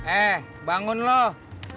eh bangun loh